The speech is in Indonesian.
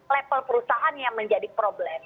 level perusahaan yang menjadi problem